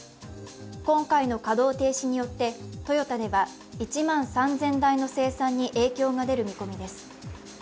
今回の稼働停止によって、トヨタでは１万３０００台の生産に影響が出る見込みです。